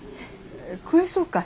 食えそうかい？